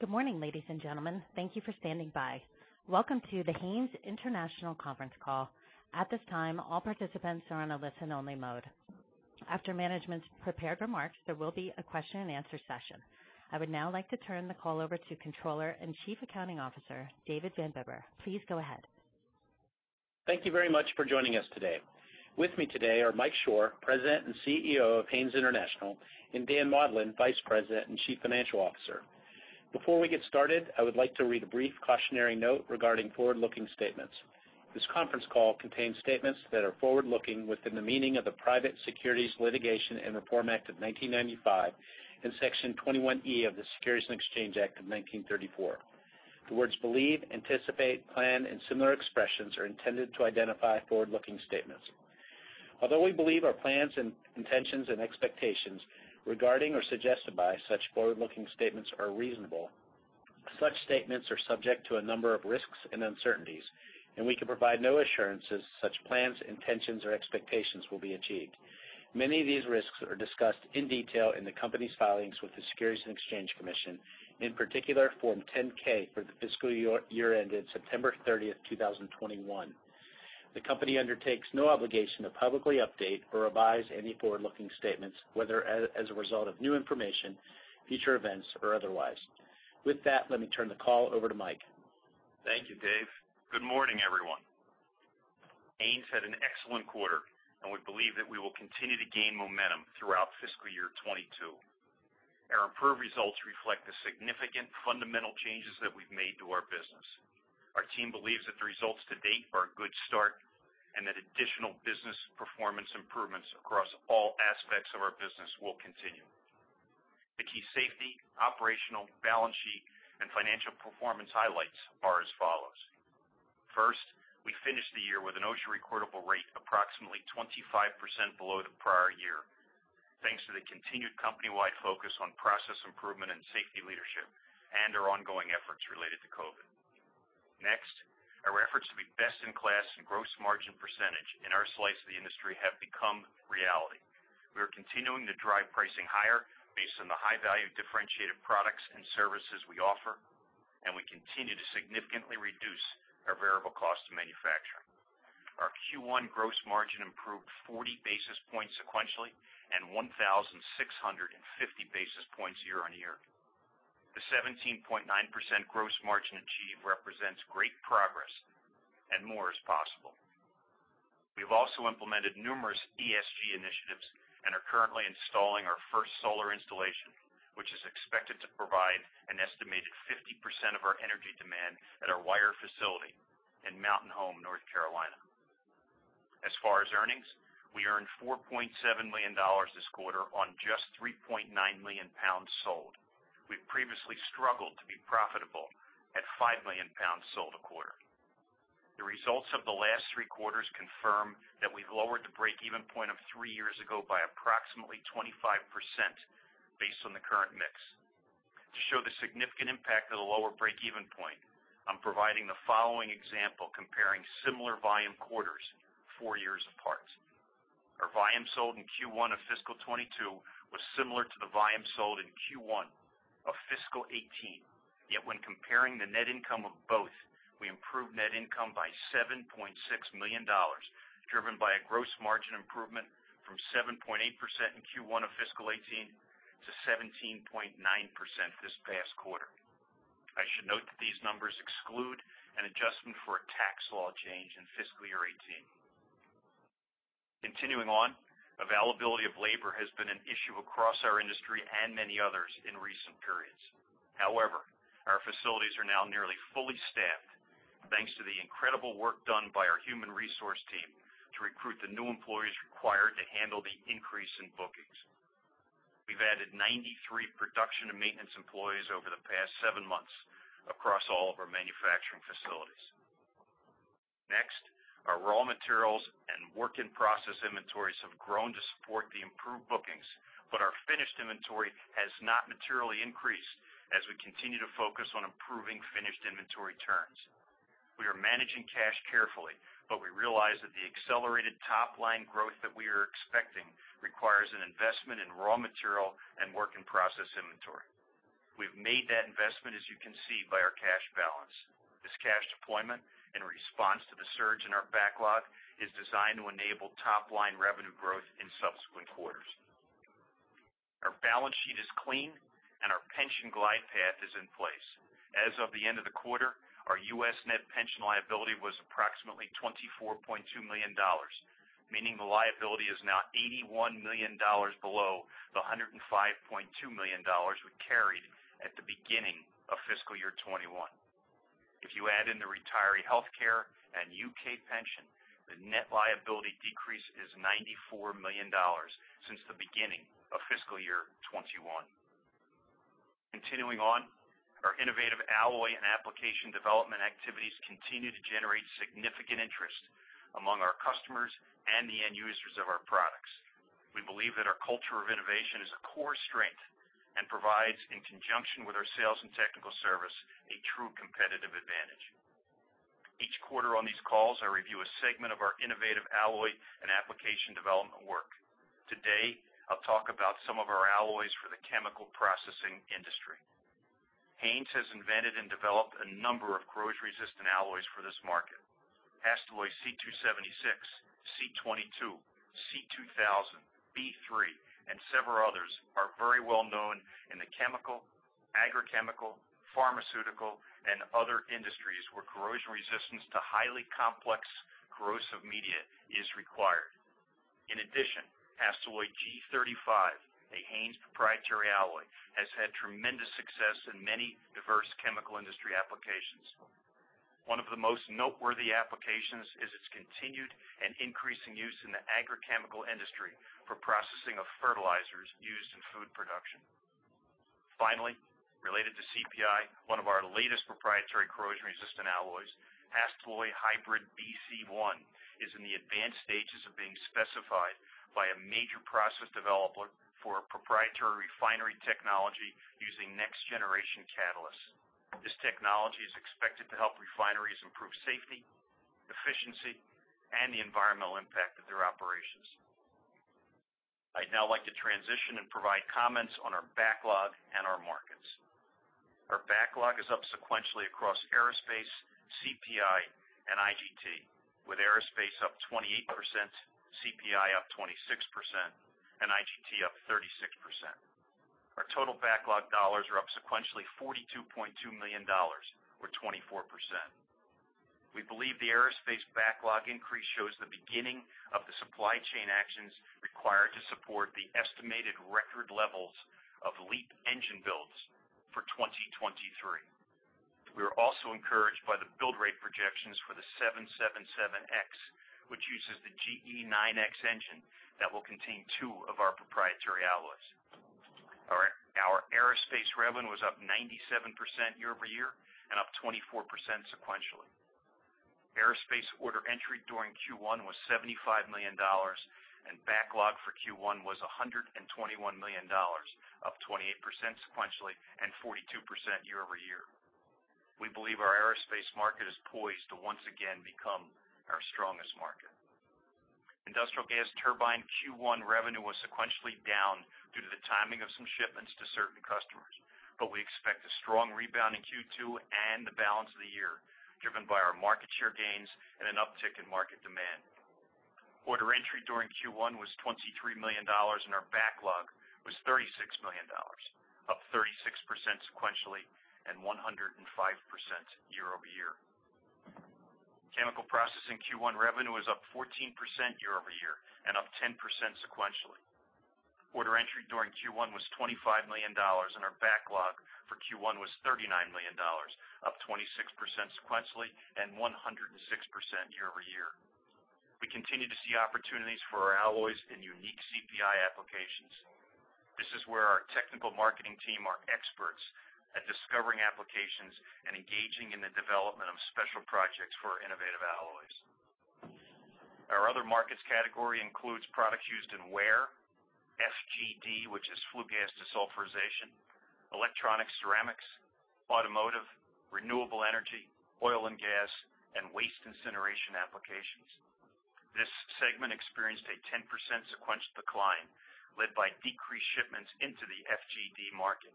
Good morning, ladies and gentlemen. Thank you for standing by. Welcome to the Haynes International conference call. At this time, all participants are on a listen only mode. After management's prepared remarks, there will be a question and answer session. I would now like to turn the call over to Controller and Chief Accounting Officer, David Van Bibber. Please go ahead. Thank you very much for joining us today. With me today are Mike Shor, President and CEO of Haynes International, and Dan Maudlin, Vice President and Chief Financial Officer. Before we get started, I would like to read a brief cautionary note regarding forward-looking statements. This conference call contains statements that are forward-looking within the meaning of the Private Securities Litigation Reform Act of 1995 and Section 21E of the Securities Exchange Act of 1934. The words believe, anticipate, plan, and similar expressions are intended to identify forward-looking statements. Although we believe our plans and intentions and expectations regarding or suggested by such forward-looking statements are reasonable, such statements are subject to a number of risks and uncertainties, and we can provide no assurances such plans, intentions, or expectations will be achieved. Many of these risks are discussed in detail in the company's filings with the Securities and Exchange Commission, in particular Form 10-K for the fiscal year ended September 30, 2021. The company undertakes no obligation to publicly update or revise any forward-looking statements, whether as a result of new information, future events or otherwise. With that, let me turn the call over to Mike. Thank you, Dave. Good morning, everyone. Haynes had an excellent quarter, and we believe that we will continue to gain momentum throughout fiscal year 2022. Our improved results reflect the significant fundamental changes that we've made to our business. Our team believes that the results to date are a good start, and that additional business performance improvements across all aspects of our business will continue. The key safety, operational, balance sheet, and financial performance highlights are as follows. First, we finished the year with an OSHA recordable rate approximately 25% below the prior year, thanks to the continued company-wide focus on process improvement and safety leadership and our ongoing efforts related to COVID. Next, our efforts to be best in class in gross margin percentage in our slice of the industry have become reality. We are continuing to drive pricing higher based on the high value differentiated products and services we offer, and we continue to significantly reduce our variable cost of manufacturing. Our Q1 gross margin improved 40 basis points sequentially and 1,650 basis points year on year. The 17.9% gross margin achieved represents great progress, and more is possible. We've also implemented numerous ESG initiatives and are currently installing our first solar installation, which is expected to provide an estimated 50% of our energy demand at our wire facility in Mountain Home, North Carolina. As far as earnings, we earned $4.7 million this quarter on just 3.9 million pounds sold. We previously struggled to be profitable at 5 million pounds sold a quarter. The results of the last 3 quarters confirm that we've lowered the break-even point of 3 years ago by approximately 25% based on the current mix. To show the significant impact of the lower break-even point, I'm providing the following example comparing similar volume quarters 4 years apart. Our volume sold in Q1 of fiscal 2022 was similar to the volume sold in Q1 of fiscal 2018. Yet when comparing the net income of both, we improved net income by $7.6 million, driven by a gross margin improvement from 7.8% in Q1 of fiscal 2018 to 17.9% this past quarter. I should note that these numbers exclude an adjustment for a tax law change in fiscal year 2018. Continuing on, availability of labor has been an issue across our industry and many others in recent periods. However, our facilities are now nearly fully staffed, thanks to the incredible work done by our human resource team to recruit the new employees required to handle the increase in bookings. We've added 93 production and maintenance employees over the past seven months across all of our manufacturing facilities. Next, our raw materials and work in process inventories have grown to support the improved bookings, but our finished inventory has not materially increased as we continue to focus on improving finished inventory turns. We are managing cash carefully, but we realize that the accelerated top line growth that we are expecting requires an investment in raw material and work in process inventory. We've made that investment, as you can see by our cash balance. This cash deployment in response to the surge in our backlog is designed to enable top line revenue growth in subsequent quarters. Our balance sheet is clean and our pension glide path is in place. As of the end of the quarter, our U.S. net pension liability was approximately $24.2 million, meaning the liability is now $81 million below the $105.2 million we carried at the beginning of fiscal year 2021. If you add in the retiree health care and U.K. pension, the net liability decrease is $94 million since the beginning of fiscal year 2021. Continuing on, our innovative alloy and application development activities continue to generate significant interest among our customers and the end users of our products. We believe that our culture of innovation is a core strength and provides, in conjunction with our sales and technical service, a true competitive advantage. Each quarter on these calls, I review a segment of our innovative alloy and application development work. Today, I'll talk about some of our alloys for the chemical processing industry. Haynes has invented and developed a number of corrosion resistant alloys for this market. HASTELLOY C-276, C-22, C-2000, B-3, and several others are very well known in the chemical, agrochemical, pharmaceutical, and other industries where corrosion resistance to highly complex corrosive media is required. In addition, HASTELLOY G-35, a Haynes proprietary alloy, has had tremendous success in many diverse chemical industry applications. One of the most noteworthy applications is its continued and increasing use in the agrochemical industry for processing of fertilizers used in food production. Finally, related to CPI, one of our latest proprietary corrosion resistant alloys, HASTELLOY HYBRID-BC1, is in the advanced stages of being specified by a major process developer for a proprietary refinery technology using next generation catalysts. This technology is expected to help refineries improve safety, efficiency, and the environmental impact of their operations. I'd now like to transition and provide comments on our backlog and our markets. Our backlog is up sequentially across aerospace, CPI, and IGT, with aerospace up 28%, CPI up 26%, and IGT up 36%. Our total backlog dollars are up sequentially $42.2 million, or 24%. We believe the aerospace backlog increase shows the beginning of the supply chain actions required to support the estimated record levels of LEAP engine builds for 2023. We are also encouraged by the build rate projections for the 777X, which uses the GE9X engine that will contain two of our proprietary alloys. Our aerospace revenue was up 97% year over year and up 24% sequentially. Aerospace order entry during Q1 was $75 million, and backlog for Q1 was $121 million, up 28% sequentially and 42% year-over-year. We believe our aerospace market is poised to once again become our strongest market. Industrial Gas Turbine Q1 revenue was sequentially down due to the timing of some shipments to certain customers, but we expect a strong rebound in Q2 and the balance of the year, driven by our market share gains and an uptick in market demand. Order entry during Q1 was $23 million, and our backlog was $36 million, up 36% sequentially and 105% year-over-year. Chemical Processing Q1 revenue was up 14% year-over-year and up 10% sequentially. Order entry during Q1 was $25 million, and our backlog for Q1 was $39 million, up 26% sequentially and 106% year-over-year. We continue to see opportunities for our alloys in unique CPI applications. This is where our technical marketing team are experts at discovering applications and engaging in the development of special projects for our innovative alloys. Our other markets category includes products used in wear, FGD, which is flue gas desulfurization, electronic ceramics, automotive, renewable energy, oil and gas, and waste incineration applications. This segment experienced a 10% sequential decline led by decreased shipments into the FGD market.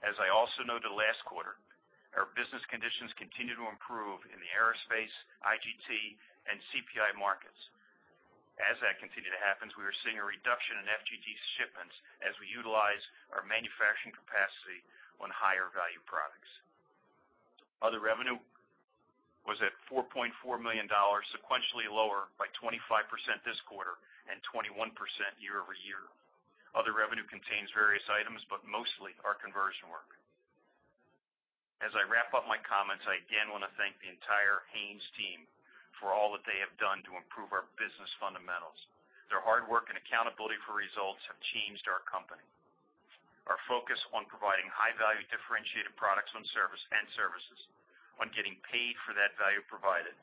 As I also noted last quarter, our business conditions continue to improve in the aerospace, IGT, and CPI markets. As that continue to happens, we are seeing a reduction in FGD shipments as we utilize our manufacturing capacity on higher value products. Other revenue was at $4.4 million, sequentially lower by 25% this quarter and 21% year-over-year. Other revenue contains various items, but mostly our conversion work. As I wrap up my comments, I again want to thank the entire Haynes team for all that they have done to improve our business fundamentals. Their hard work and accountability for results have changed our company. Our focus on providing high value differentiated products and services, on getting paid for that value provided,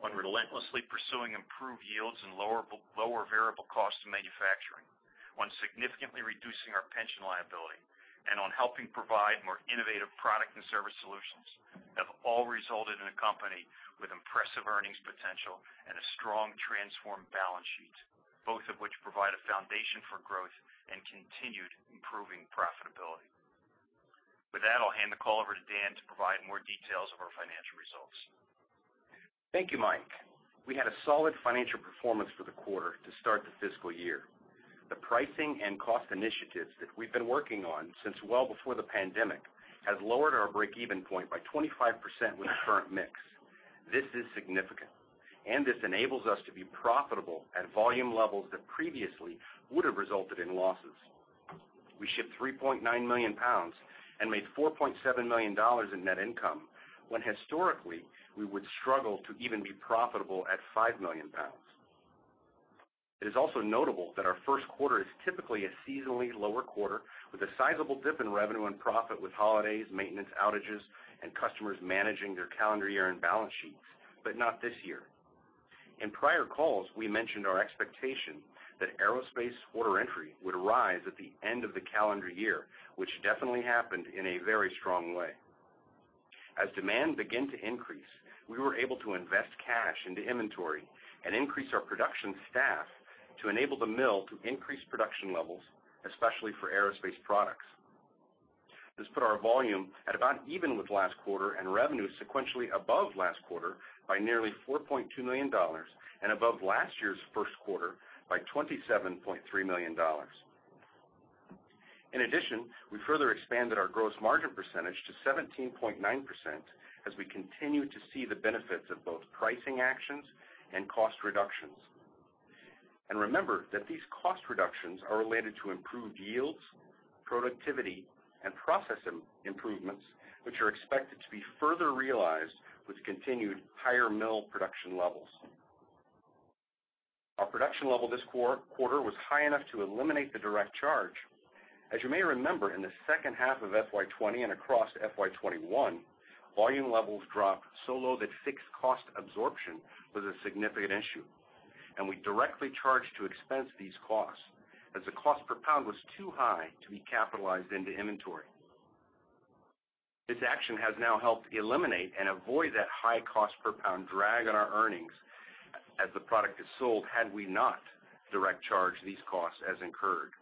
on relentlessly pursuing improved yields and lower variable costs of manufacturing, on significantly reducing our pension liability, and on helping provide more innovative product and service solutions have all resulted in a company with impressive earnings potential and a strong transformed balance sheet, both of which provide a foundation for growth and continued improving profitability. With that, I'll hand the call over to Dan to provide more details of our financial results. Thank you, Mike. We had a solid financial performance for the quarter to start the fiscal year. The pricing and cost initiatives that we've been working on since well before the pandemic has lowered our break-even point by 25% with the current mix. This is significant, and this enables us to be profitable at volume levels that previously would have resulted in losses. We shipped 3.9 million pounds and made $4.7 million in net income when historically we would struggle to even be profitable at five million pounds. It is also notable that our first quarter is typically a seasonally lower quarter with a sizable dip in revenue and profit with holidays, maintenance outages, and customers managing their calendar year and balance sheets. Not this year. In prior calls, we mentioned our expectation that aerospace order entry would rise at the end of the calendar year, which definitely happened in a very strong way. As demand began to increase, we were able to invest cash into inventory and increase our production staff to enable the mill to increase production levels, especially for aerospace products. This put our volume at about even with last quarter and revenue sequentially above last quarter by nearly $4.2 million and above last year's first quarter by $27.3 million. In addition, we further expanded our gross margin percentage to 17.9% as we continue to see the benefits of both pricing actions and cost reductions. Remember that these cost reductions are related to improved yields, productivity, and process improvements, which are expected to be further realized with continued higher mill production levels. Our production level this quarter was high enough to eliminate the direct charge. As you may remember, in the second half of FY 2020 and across FY 2021, volume levels dropped so low that fixed cost absorption was a significant issue, and we directly charged to expense these costs as the cost per pound was too high to be capitalized into inventory. This action has now helped eliminate and avoid that high cost per pound drag on our earnings as the product is sold had we not direct charge these costs as incurred.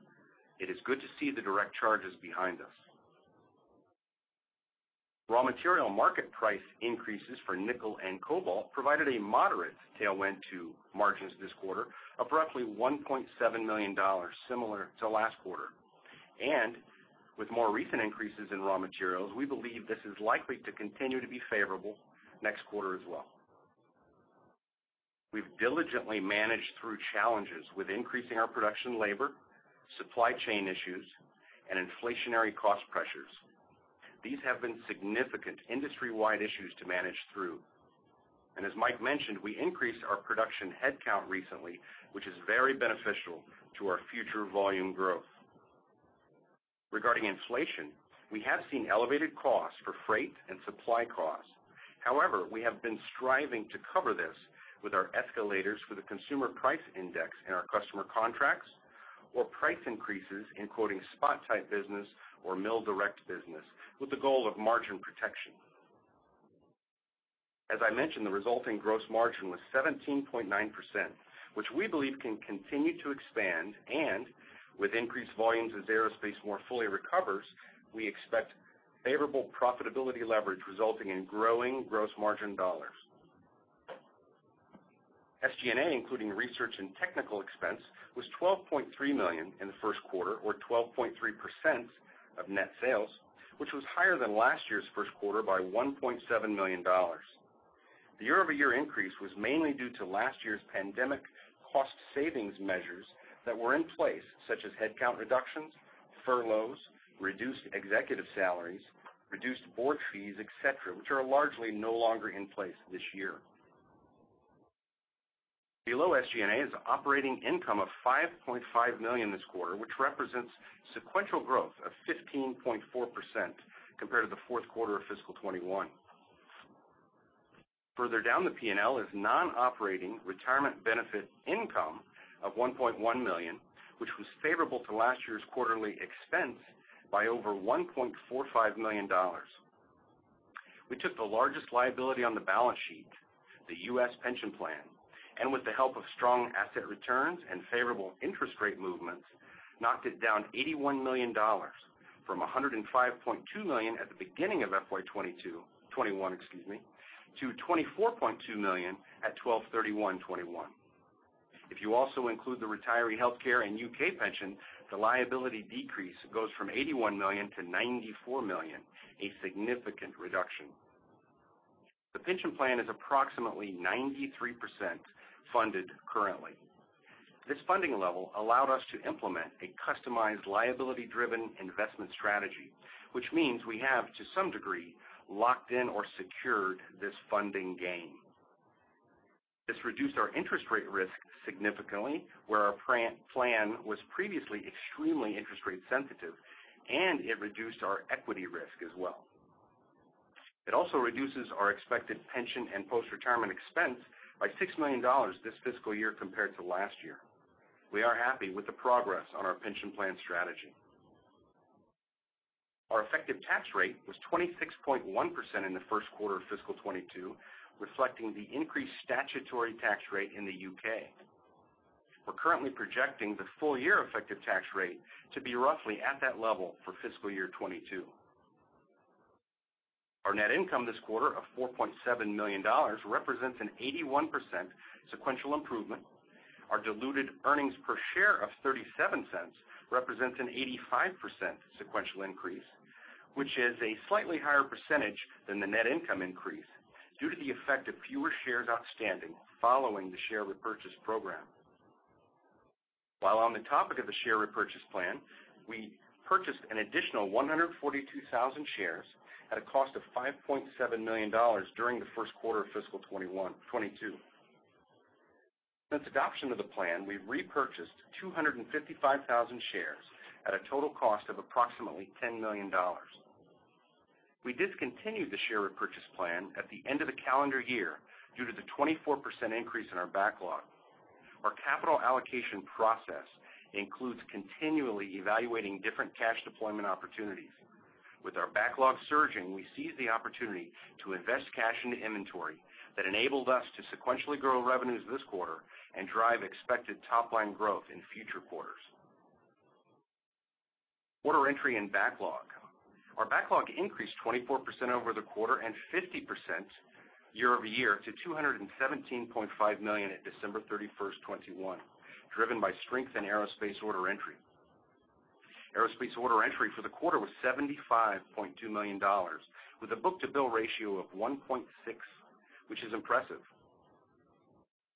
It is good to see the direct charges behind us. Raw material market price increases for nickel and cobalt provided a moderate tailwind to margins this quarter, adding $1.7 million, similar to last quarter. With more recent increases in raw materials, we believe this is likely to continue to be favorable next quarter as well. We've diligently managed through challenges with increasing our production labor, supply chain issues, and inflationary cost pressures. These have been significant industry-wide issues to manage through. As Mike mentioned, we increased our production headcount recently, which is very beneficial to our future volume growth. Regarding inflation, we have seen elevated costs for freight and supply costs. However, we have been striving to cover this with our escalators for the Consumer Price Index in our customer contracts or price increases in quoting spot-type business or mill-direct business with the goal of margin protection. As I mentioned, the resulting gross margin was 17.9%, which we believe can continue to expand, and with increased volumes as aerospace more fully recovers, we expect favorable profitability leverage resulting in growing gross margin dollars. SG&A, including research and technical expense, was $12.3 million in the first quarter or 12.3% of net sales, which was higher than last year's first quarter by $1.7 million. The year-over-year increase was mainly due to last year's pandemic cost savings measures that were in place, such as headcount reductions, furloughs, reduced executive salaries, reduced board fees, et cetera, which are largely no longer in place this year. Below SG&A is operating income of $5.5 million this quarter, which represents sequential growth of 15.4% compared to the fourth quarter of fiscal 2021. Further down the P&L is non-operating retirement benefit income of $1.1 million, which was favorable to last year's quarterly expense by over $1.45 million. We took the largest liability on the balance sheet, the U.S. pension plan, and with the help of strong asset returns and favorable interest rate movements, knocked it down $81 million from $105.2 million at the beginning of FY 2021, excuse me, to $24.2 million at 12/31/2021. If you also include the retiree health care and U.K. pension, the liability decrease goes from $81 million to $94 million, a significant reduction. The pension plan is approximately 93% funded currently. This funding level allowed us to implement a customized liability-driven investment strategy, which means we have, to some degree, locked in or secured this funding gain. This reduced our interest rate risk significantly, where our plan was previously extremely interest rate sensitive, and it reduced our equity risk as well. It also reduces our expected pension and post-retirement expense by $6 million this fiscal year compared to last year. We are happy with the progress on our pension plan strategy. Our effective tax rate was 26.1% in the first quarter of fiscal 2022, reflecting the increased statutory tax rate in the U.K. We're currently projecting the full-year effective tax rate to be roughly at that level for fiscal year 2022. Our net income this quarter of $4.7 million represents an 81% sequential improvement. Our diluted earnings per share of $0.37 represents an 85% sequential increase, which is a slightly higher percentage than the net income increase due to the effect of fewer shares outstanding following the share repurchase program. While on the topic of the share repurchase plan, we purchased an additional 142,000 shares at a cost of $5.7 million during the first quarter of fiscal 2022. Since adoption of the plan, we've repurchased 255,000 shares at a total cost of approximately $10 million. We discontinued the share repurchase plan at the end of the calendar year due to the 24% increase in our backlog. Our capital allocation process includes continually evaluating different cash deployment opportunities. With our backlog surging, we seized the opportunity to invest cash into inventory that enabled us to sequentially grow revenues this quarter and drive expected top line growth in future quarters. Order entry and backlog. Our backlog increased 24% over the quarter and 50% year-over-year to $217.5 million at December 31, 2021, driven by strength in aerospace order entry. Aerospace order entry for the quarter was $75.2 million with a book-to-bill ratio of 1.6, which is impressive.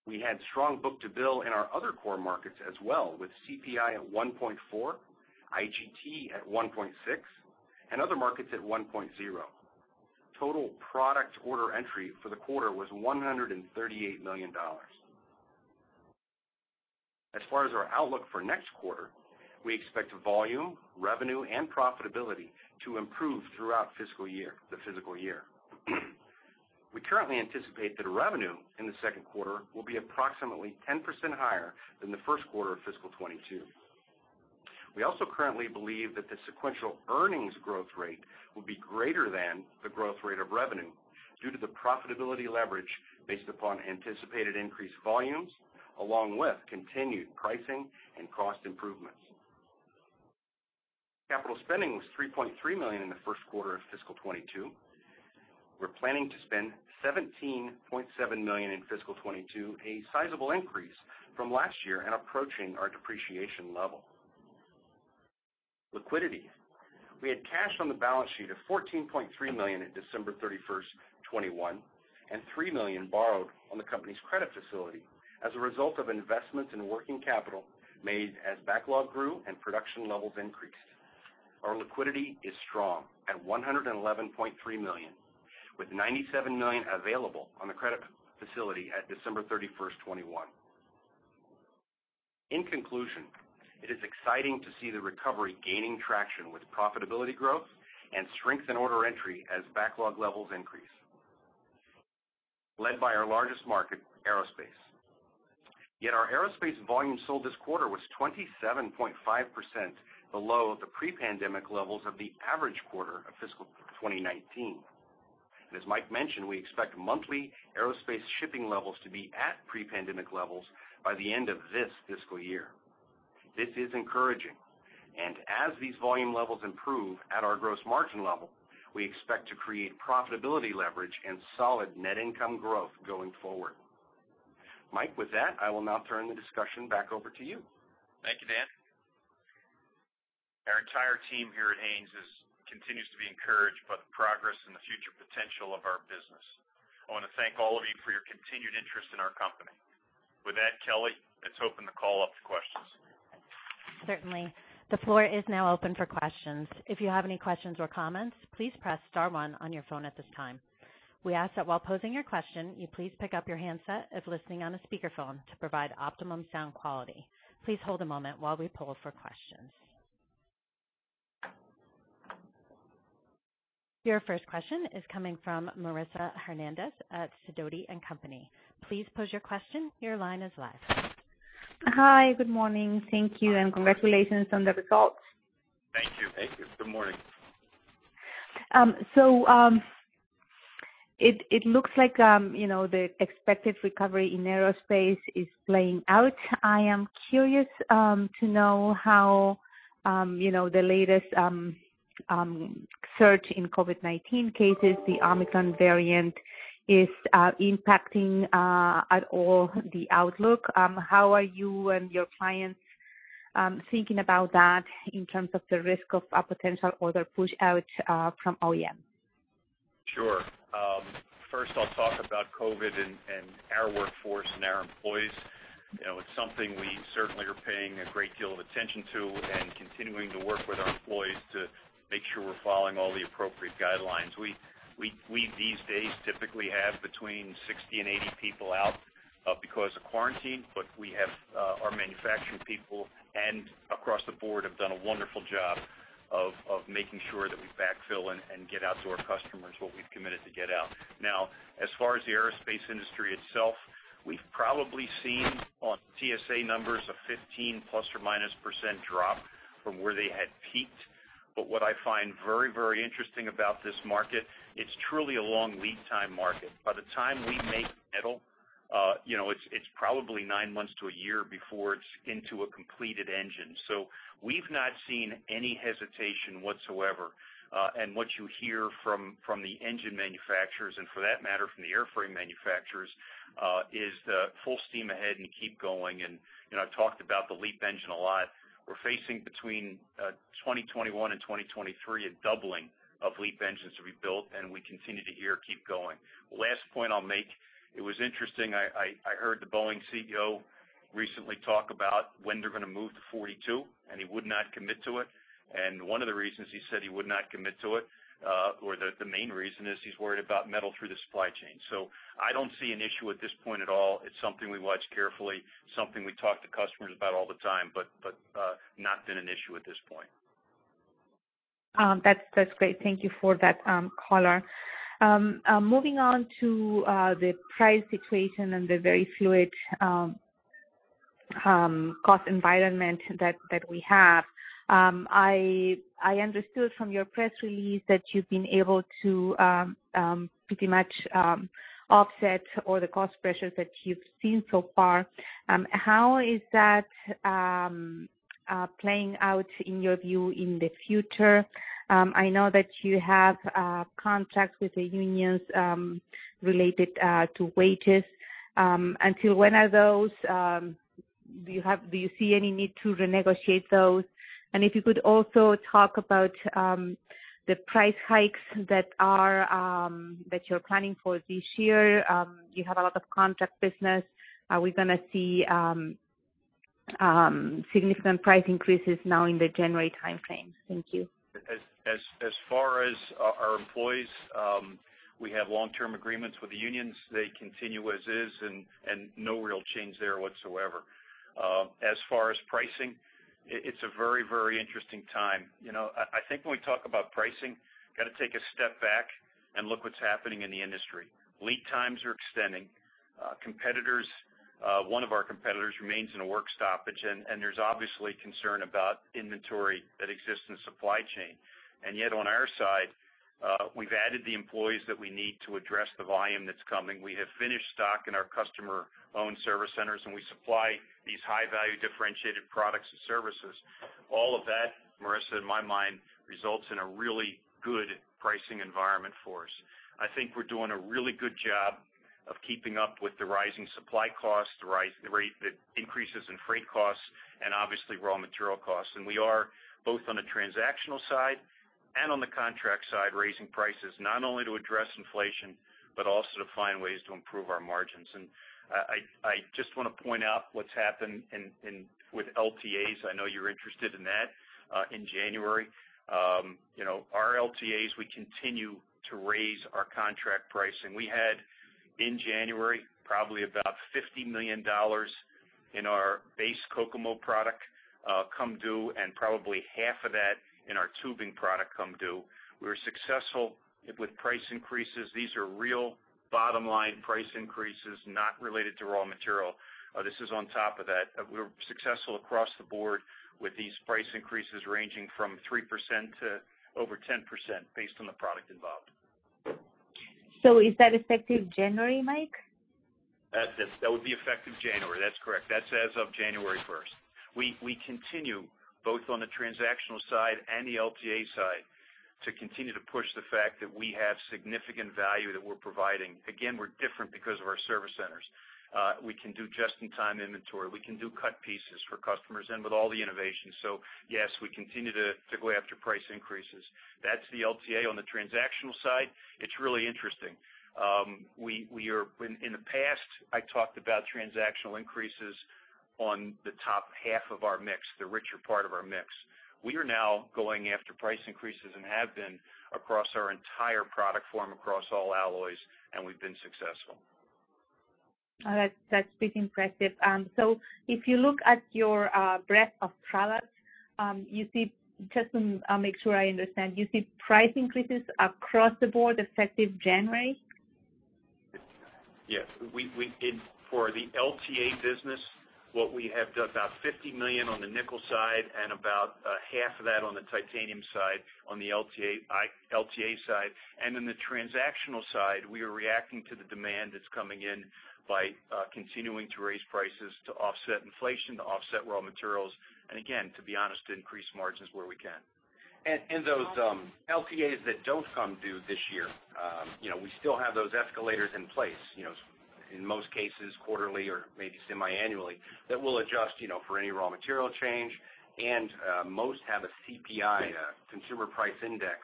We had strong book-to-bill in our other core markets as well, with CPI at 1.4, IGT at 1.6, and other markets at 1.0. Total product order entry for the quarter was $138 million. As far as our outlook for next quarter, we expect volume, revenue, and profitability to improve throughout fiscal year, the fiscal year. We currently anticipate that revenue in the second quarter will be approximately 10% higher than the first quarter of fiscal 2022. We also currently believe that the sequential earnings growth rate will be greater than the growth rate of revenue due to the profitability leverage based upon anticipated increased volumes along with continued pricing and cost improvements. Capital spending was $3.3 million in the first quarter of fiscal 2022. We're planning to spend $17.7 million in fiscal 2022, a sizable increase from last year and approaching our depreciation level. Liquidity. We had cash on the balance sheet of $14.3 million at December 31, 2021, and $3 million borrowed on the company's credit facility as a result of investments in working capital made as backlog grew and production levels increased. Our liquidity is strong at $111.3 million, with $97 million available on the credit facility at December 31, 2021. In conclusion, it is exciting to see the recovery gaining traction with profitability growth and strength in order entry as backlog levels increase, led by our largest market, aerospace. Yet our aerospace volume sold this quarter was 27.5% below the pre-pandemic levels of the average quarter of fiscal 2019. As Mike mentioned, we expect monthly aerospace shipping levels to be at pre-pandemic levels by the end of this fiscal year. This is encouraging, and as these volume levels improve at our gross margin level, we expect to create profitability leverage and solid net income growth going forward. Mike, with that, I will now turn the discussion back over to you. Thank you, Dan. Our entire team here at Haynes is, continues to be encouraged by the progress and the future potential of our business. I wanna thank all of you for your continued interest in our company. With that, Kelly, let's open the call up to questions. Certainly. The floor is now open for questions. If you have any questions or comments, please press Star one on your phone at this time. We ask that while posing your question, you please pick up your handset if listening on a speakerphone to provide optimum sound quality. Please hold a moment while we poll for questions. Your first question is coming from Marisa Hernandez at Sidoti & Company. Please pose your question. Your line is live. Hi. Good morning. Thank you and congratulations on the results. Thank you. Thank you. Good morning. It looks like, you know, the expected recovery in aerospace is playing out. I am curious to know how, you know, the latest surge in COVID-19 cases, the Omicron variant is impacting the outlook at all. How are you and your clients thinking about that in terms of the risk of a potential order push out from OEM? Sure. First I'll talk about COVID and our workforce and our employees. You know, it's something we certainly are paying a great deal of attention to and continuing to work with our employees to make sure we're following all the appropriate guidelines. We these days typically have between 60 and 80 people out because of quarantine, but we have our manufacturing people and across the board have done a wonderful job of making sure that we backfill and get out to our customers what we've committed to get out. Now, as far as the aerospace industry itself, we've probably seen on TSA numbers a 15% plus or minus drop from where they had peaked. What I find very, very interesting about this market, it's truly a long lead time market. By the time we make metal, you know, it's probably nine months to a year before it's into a completed engine. So we've not seen any hesitation whatsoever. What you hear from the engine manufacturers, and for that matter, from the airframe manufacturers, is full steam ahead and keep going. You know, I've talked about the LEAP engine a lot. We're facing between 2021 and 2023, a doubling of LEAP engines to be built, and we continue to hear keep going. The last point I'll make, it was interesting, I heard the Boeing CEO recently talk about when they're gonna move to 42, and he would not commit to it. One of the reasons he said he would not commit to it, or the main reason is he's worried about metal through the supply chain. I don't see an issue at this point at all. It's something we watch carefully, something we talk to customers about all the time, but not been an issue at this point. That's great. Thank you for that, color. Moving on to the price situation and the very fluid cost environment that we have. I understood from your press release that you've been able to pretty much offset all the cost pressures that you've seen so far. How is that playing out in your view in the future? I know that you have contracts with the unions related to wages. Until when are those? Do you see any need to renegotiate those? If you could also talk about the price hikes that you're planning for this year. You have a lot of contract business. Are we gonna see significant price increases now in the January timeframe? Thank you. As far as our employees, we have long-term agreements with the unions. They continue as is and no real change there whatsoever. As far as pricing, it's a very, very interesting time. You know, I think when we talk about pricing, gotta take a step back and look what's happening in the industry. Lead times are extending. Competitors, one of our competitors remains in a work stoppage, and there's obviously concern about inventory that exists in supply chain. Yet on our side, we've added the employees that we need to address the volume that's coming. We have finished stock in our customer-owned service centers, and we supply these high-value differentiated products and services. All of that, Marissa, in my mind, results in a really good pricing environment for us. I think we're doing a really good job of keeping up with the rising supply costs, the rate, the increases in freight costs, and obviously raw material costs. We are both on the transactional side and on the contract side, raising prices, not only to address inflation, but also to find ways to improve our margins. I just wanna point out what's happened with LTAs, I know you're interested in that, in January. You know, our LTAs, we continue to raise our contract pricing. We had, in January, probably about $50 million in our base Kokomo product come due and probably half of that in our tubing product come due. We were successful with price increases. These are real bottom line price increases not related to raw material. This is on top of that. We were successful across the board with these price increases ranging from 3% to over 10% based on the product involved. Is that effective January, Mike? That's it. That would be effective January. That's correct. That's as of January first. We continue both on the transactional side and the LTA side to continue to push the fact that we have significant value that we're providing. Again, we're different because of our service centers. We can do just-in-time inventory. We can do cut pieces for customers and with all the innovations. Yes, we continue to go after price increases. That's the LTA. On the transactional side, it's really interesting. We are in the past, I talked about transactional increases on the top half of our mix, the richer part of our mix. We are now going after price increases and have been across our entire product form, across all alloys, and we've been successful. Oh, that's pretty impressive. If you look at your breadth of products, just to make sure I understand, you see price increases across the board effective January? Yes. We did. For the LTA business, what we have done, about $50 million on the nickel side and about half of that on the titanium side, on the LTA side. In the transactional side, we are reacting to the demand that's coming in by continuing to raise prices to offset inflation, to offset raw materials, and again, to be honest, to increase margins where we can. [Those] LTAs that don't come due this year, you know, we still have those escalators in place, you know, in most cases, quarterly or maybe semi-annually, that we'll adjust, you know, for any raw material change. Most have a CPI consumer price index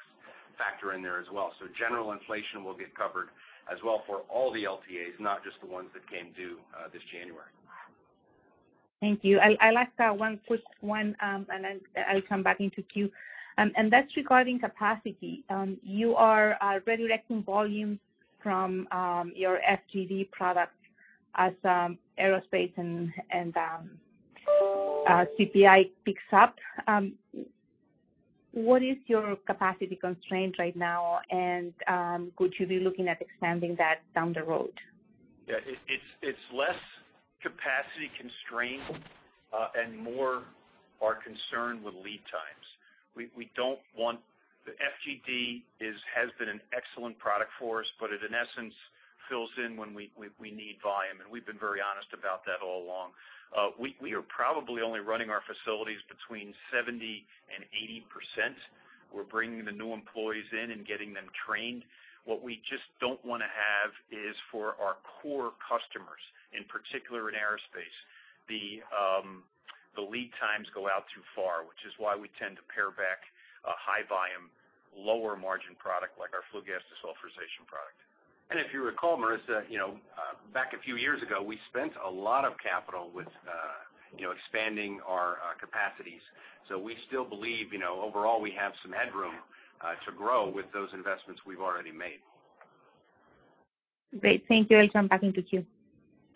factor in there as well. General inflation will get covered as well for all the LTAs, not just the ones that came due this January. Thank you. I'd like one quick one, and then I'll come back into queue. That's regarding capacity. You are redirecting volume from your FGD product as aerospace and CPI picks up. What is your capacity constraint right now? Could you be looking at expanding that down the road? Yeah. It's less capacity constrained and more our concern with lead times. The FGD has been an excellent product for us, but it in essence fills in when we need volume, and we've been very honest about that all along. We are probably only running our facilities between 70% and 80%. We're bringing the new employees in and getting them trained. What we just don't wanna have is for our core customers, in particular in aerospace, the lead times go out too far, which is why we tend to pare back a high volume, lower margin product like our flue gas desulfurization product. If you recall, Marissa, you know, back a few years ago, we spent a lot of capital with, you know, expanding our capacities. We still believe, you know, overall we have some headroom to grow with those investments we've already made. Great. Thank you. I'll turn it back to the queue.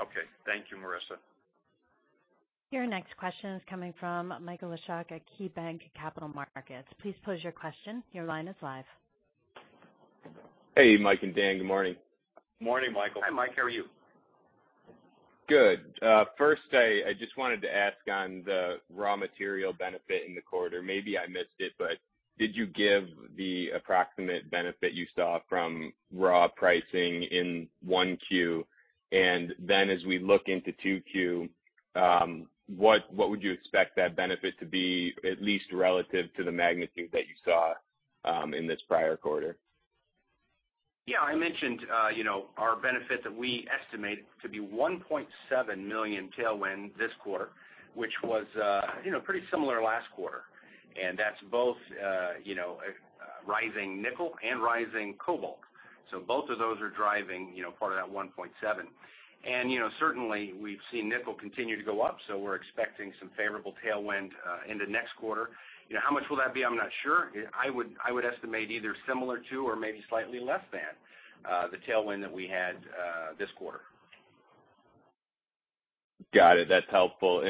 Okay. Thank you, Marisa. Your next question is coming from Michael Leshock at KeyBanc Capital Markets. Please pose your question. Your line is live. Hey, Mike and Dan. Good morning. Morning, Michael. Hi, Mike. How are you? Good. First, I just wanted to ask on the raw material benefit in the quarter. Maybe I missed it, but did you give the approximate benefit you saw from raw pricing in 1Q? Then as we look into 2Q, what would you expect that benefit to be at least relative to the magnitude that you saw in this prior quarter? Yeah, I mentioned, you know, our benefit that we estimate to be $1.7 million tailwind this quarter, which was, you know, pretty similar last quarter. That's both, you know, a rising nickel and rising cobalt. Both of those are driving, you know, part of that $1.7 million. Certainly we've seen nickel continue to go up, so we're expecting some favorable tailwind into next quarter. You know, how much will that be? I'm not sure. I would estimate either similar to or maybe slightly less than the tailwind that we had this quarter. Got it. That's helpful.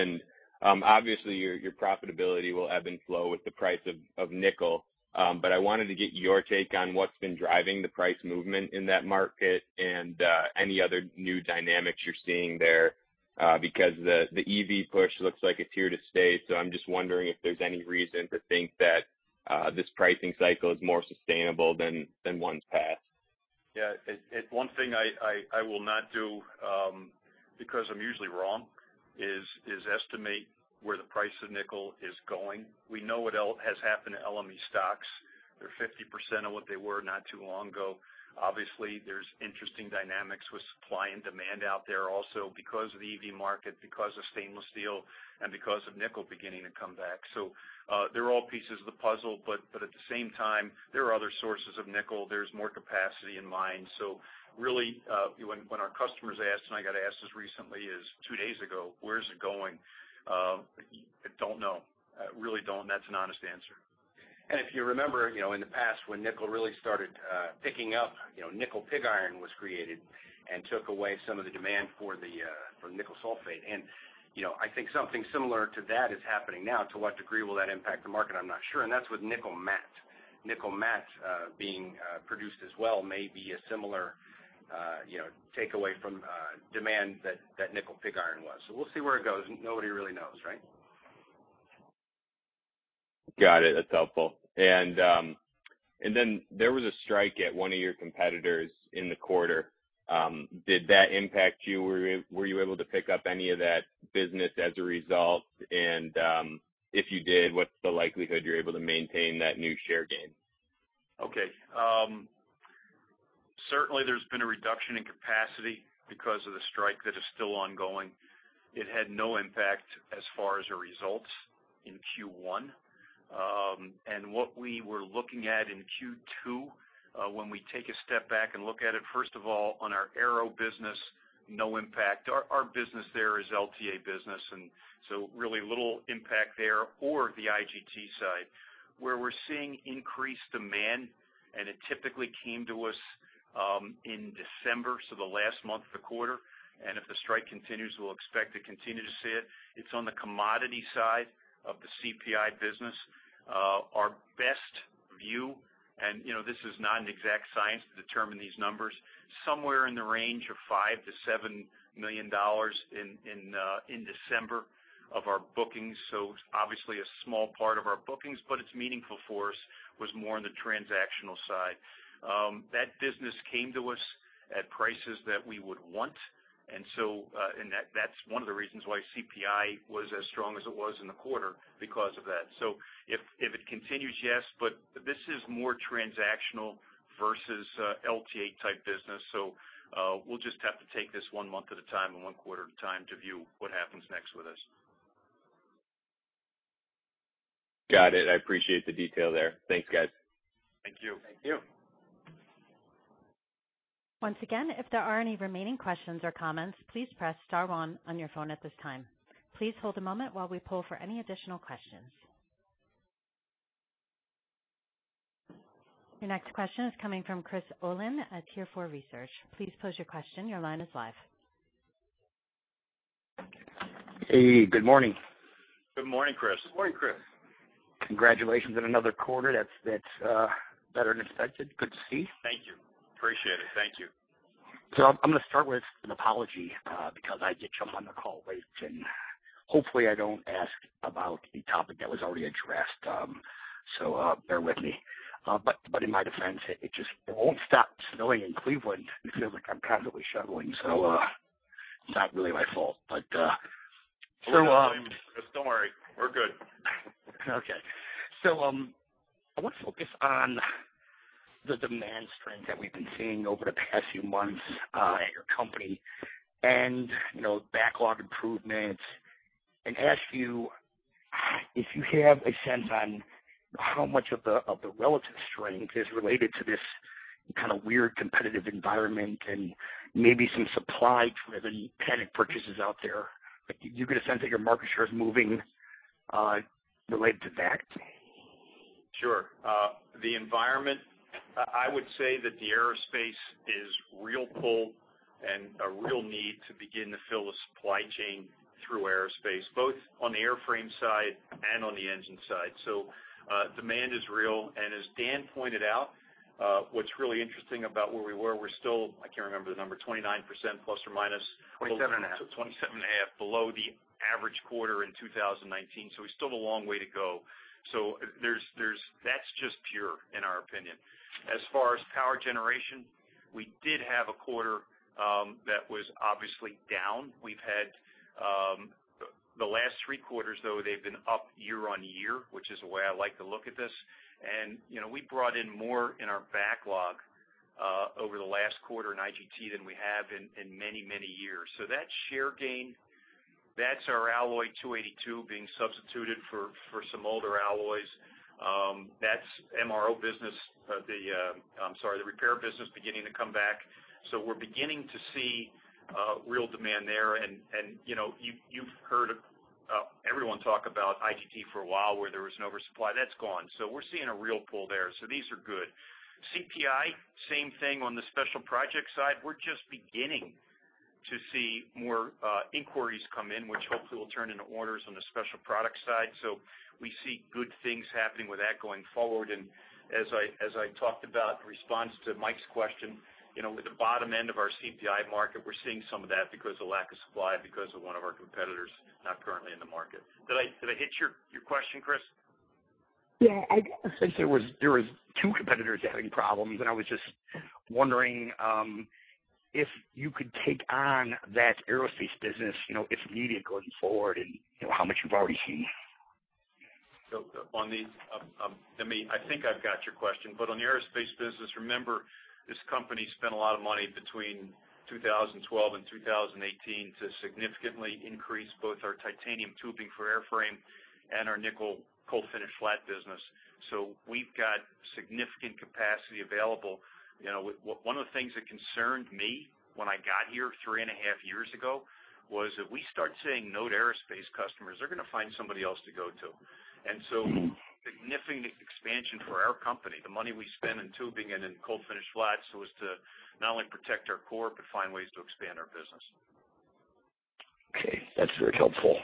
Obviously your profitability will ebb and flow with the price of nickel. I wanted to get your take on what's been driving the price movement in that market and any other new dynamics you're seeing there, because the EV push looks like it's here to stay. I'm just wondering if there's any reason to think that this pricing cycle is more sustainable than ones past. Yeah. One thing I will not do, because I'm usually wrong, is estimate where the price of nickel is going. We know what has happened to LME stocks. They're 50% of what they were not too long ago. Obviously, there's interesting dynamics with supply and demand out there also because of the EV market, because of stainless steel, and because of nickel beginning to come back. They're all pieces of the puzzle, but at the same time, there are other sources of nickel. There's more capacity in mining. Really, when our customers ask, and I got asked this recently, two days ago, where's it going? I don't know. I really don't, and that's an honest answer. If you remember, you know, in the past when nickel really started picking up, you know, nickel pig iron was created and took away some of the demand for the nickel sulfate. You know, I think something similar to that is happening now. To what degree will that impact the market, I'm not sure. That's with nickel matte. Nickel matte being produced as well may be a similar, you know, take away from demand that nickel pig iron was. We'll see where it goes. Nobody really knows, right? Got it. That's helpful. There was a strike at one of your competitors in the quarter. Did that impact you? Were you able to pick up any of that business as a result? If you did, what's the likelihood you're able to maintain that new share gain? Okay. Certainly there's been a reduction in capacity because of the strike that is still ongoing. It had no impact as far as our results in Q1. What we were looking at in Q2, when we take a step back and look at it, first of all, on our aero business, no impact. Our business there is LTA business, and so really little impact there or the IGT side. Where we're seeing increased demand, and it typically came to us in December, so the last month of the quarter, and if the strike continues, we'll expect to continue to see it. It's on the commodity side of the CPI business. Our best view, you know, this is not an exact science to determine these numbers, somewhere in the range of $5 million-$7 million in December of our bookings. Obviously a small part of our bookings, but it's meaningful for us, was more on the transactional side. That business came to us at prices that we would want. That's one of the reasons why CPI was as strong as it was in the quarter because of that. If it continues, yes, but this is more transactional versus LTA type business. We'll just have to take this one month at a time and one quarter at a time to view what happens next with us. Got it. I appreciate the detail there. Thanks, guys. Thank you. Thank you. Once again, if there are any remaining questions or comments, please press Star one on your phone at this time. Please hold a moment while we pull for any additional questions. Your next question is coming from Chris Olin at Tier4 Research. Please pose your question. Your line is live. Hey, good morning. Good morning, Chris. Morning, Chris. Congratulations on another quarter that's better than expected. Good to see. Thank you. Appreciate it. Thank you. I'm gonna start with an apology, because I did jump on the call late, and hopefully I don't ask about a topic that was already addressed. Bear with me. In my defense, it just won't stop snowing in Cleveland. It feels like I'm constantly shoveling. It's not really my fault. Don't worry. We're good. I want to focus on the demand strength that we've been seeing over the past few months at your company and, you know, backlog improvements, and ask you if you have a sense on how much of the relative strength is related to this kind of weird competitive environment and maybe some supply driven panic purchases out there. Do you get a sense that your market share is moving related to that? Sure. The environment, I would say that the aerospace is real pull and a real need to begin to fill the supply chain through aerospace, both on the airframe side and on the engine side. Demand is real, and as Dan pointed out, what's really interesting about where we were, we're still, I can't remember the number, 29% plus or minus. 27.5. 27.5 below the average quarter in 2019. We still have a long way to go. That's just pure in our opinion. As far as power generation, we did have a quarter that was obviously down. We've had the last three quarters, though, they've been up year-on-year, which is the way I like to look at this. You know, we brought in more in our backlog over the last quarter in IGT than we have in many years. That share gain, that's our alloy 282 being substituted for some older alloys. That's MRO business. I'm sorry, the repair business beginning to come back. We're beginning to see real demand there. You know, you've heard everyone talk about IGT for a while where there was an oversupply. That's gone. We're seeing a real pull there. These are good. CPI, same thing on the special project side. We're just beginning to see more inquiries come in, which hopefully will turn into orders on the special product side. We see good things happening with that going forward. As I talked about in response to Mike's question, you know, with the bottom end of our CPI market, we're seeing some of that because of lack of supply, because of one of our competitors not currently in the market. Did I hit your question, Chris? Yeah. I guess there was two competitors having problems, and I was just wondering if you could take on that aerospace business, you know, if needed going forward, and you know, how much you've already seen. I think I've got your question. On the aerospace business, remember, this company spent a lot of money between 2012 and 2018 to significantly increase both our titanium tubing for airframe and our nickel cold-finished flat business. We've got significant capacity available. One of the things that concerned me when I got here three and a half years ago was if we start saying no to aerospace customers, they're gonna find somebody else to go to. Mm-hmm. Significant expansion for our company, the money we spend in tubing and in cold-finished flats was to not only protect our core, but find ways to expand our business. Okay. That's very helpful.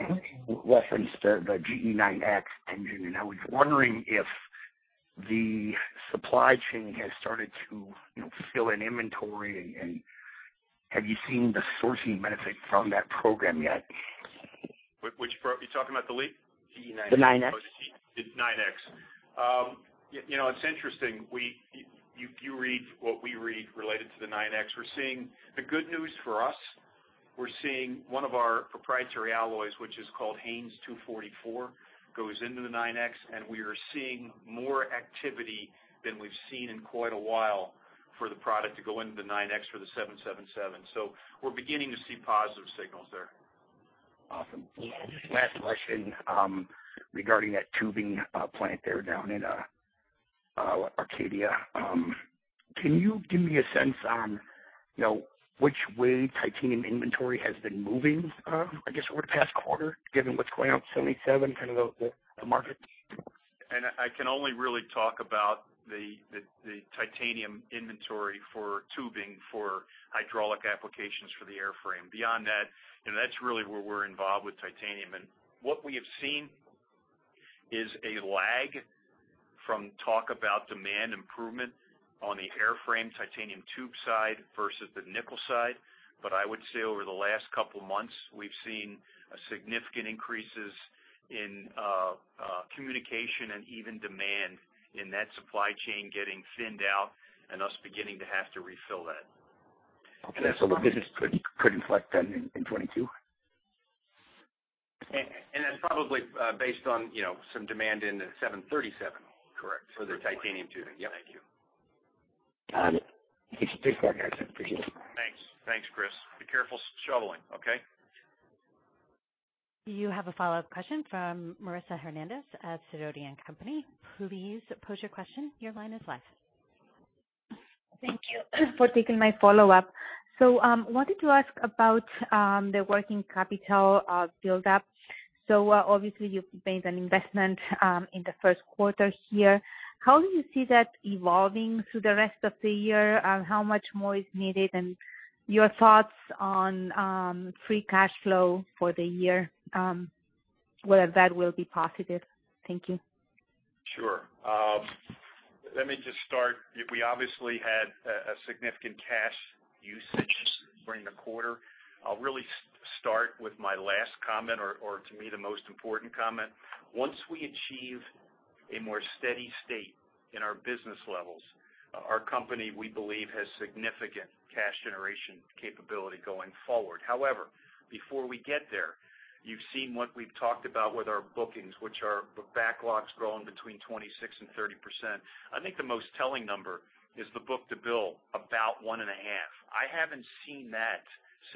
You referenced the GE9X engine, and I was wondering if the supply chain has started to, you know, fill in inventory and have you seen the sourcing benefit from that program yet? You're talking about the LEAP? The 9X. Oh, the GE9X. You know, it's interesting. You read what we read related to the 9X. We're seeing the good news for us. We're seeing one of our proprietary alloys, which is called Haynes 244, goes into the 9X, and we are seeing more activity than we've seen in quite a while for the product to go into the 9X for the 777. We're beginning to see positive signals there. Awesome. Just last question regarding that tubing plant there down in Arcadia. Can you give me a sense on, you know, which way titanium inventory has been moving, I guess, over the past quarter, given what's going on with 787, kind of the market? I can only really talk about the titanium inventory for tubing for hydraulic applications for the airframe. Beyond that, you know, that's really where we're involved with titanium. What we have seen is a lag from talk about demand improvement on the airframe titanium tube side versus the nickel side. I would say over the last couple months, we've seen significant increases in communication and even demand in that supply chain getting thinned out and us beginning to have to refill that. Okay. The business could inflect then in 2022? That's probably based on, you know, some demand in the 737. Correct. For the titanium tubing. Yep. Thank you. Got it. Thanks for that, Mike. I appreciate it. Thanks. Thanks, Chris. Be careful shoveling, okay? You have a follow-up question from Marisa Hernandez at Sidoti & Company. Please pose your question. Your line is live. Thank you for taking my follow-up. Wanted to ask about the working capital build-up. Obviously you've made an investment in the first quarter here. How do you see that evolving through the rest of the year? How much more is needed? And your thoughts on free cash flow for the year, whether that will be positive. Thank you. Sure. Let me just start. We obviously had a significant cash usage during the quarter. I'll really start with my last comment or to me, the most important comment. Once we achieve a more steady state in our business levels, our company, we believe, has significant cash generation capability going forward. However, before we get there, you've seen what we've talked about with our bookings, which are backlogs growing between 26% and 30%. I think the most telling number is the book-to-bill. About 1.5. I haven't seen that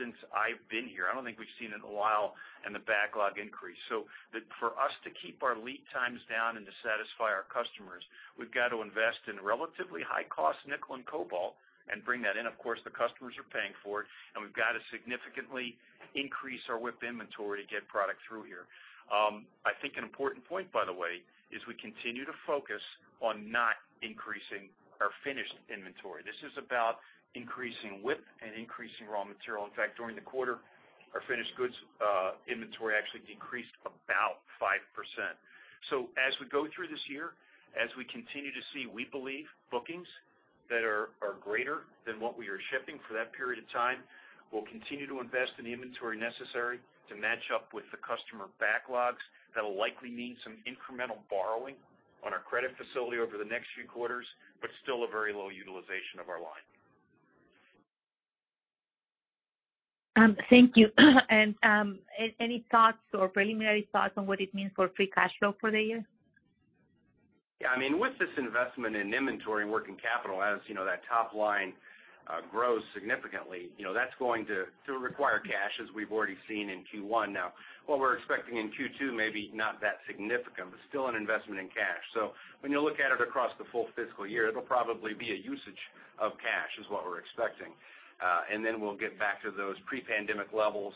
since I've been here. I don't think we've seen it in a while in the backlog increase. For us to keep our lead times down and to satisfy our customers, we've got to invest in relatively high-cost nickel and cobalt and bring that in. Of course, the customers are paying for it, and we've got to significantly increase our WIP inventory to get product through here. I think an important point, by the way, is we continue to focus on not increasing our finished inventory. This is about increasing WIP and increasing raw material. In fact, during the quarter, our finished goods inventory actually decreased about 5%. As we go through this year, as we continue to see, we believe bookings that are greater than what we are shipping for that period of time. We'll continue to invest in the inventory necessary to match up with the customer backlogs. That'll likely mean some incremental borrowing on our credit facility over the next few quarters, but still a very low utilization of our line. Thank you. Any thoughts or preliminary thoughts on what it means for free cash flow for the year? Yeah, I mean, with this investment in inventory and working capital, as you know, that top line grows significantly. You know, that's going to require cash, as we've already seen in Q1. Now, what we're expecting in Q2 may be not that significant, but still an investment in cash. When you look at it across the full fiscal year, it'll probably be a usage of cash, is what we're expecting. Then we'll get back to those pre-pandemic levels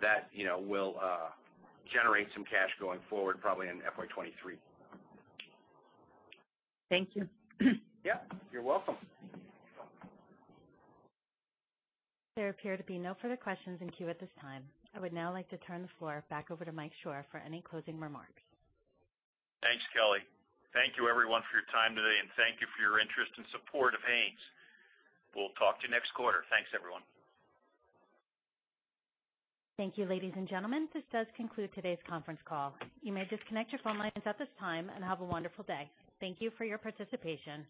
that you know will generate some cash going forward, probably in FY 2023. Thank you. Yeah, you're welcome. There appear to be no further questions in queue at this time. I would now like to turn the floor back over to Mike Shor for any closing remarks. Thanks, Kelly. Thank you everyone for your time today, and thank you for your interest and support of Haynes. We'll talk to you next quarter. Thanks, everyone. Thank you, ladies and gentlemen. This does conclude today's conference call. You may disconnect your phone lines at this time and have a wonderful day. Thank you for your participation.